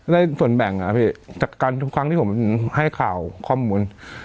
ได้ส่วนแบ่งอะพี่จากการทุกครั้งที่ผมให้ข่าวข้อมูล